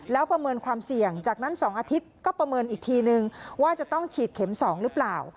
แล้วประเมินความเสี่ยงจากนั้น๒อาทิตย์ก็ประเมินอีกทีนึงว่าจะต้องฉีดเข็ม๒หรือเปล่า